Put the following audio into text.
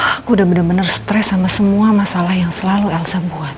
aku udah bener bener stres sama semua masalah yang selalu elsa buat